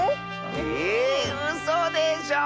ええうそでしょ